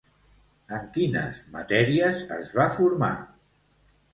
En quines matèries es va formar?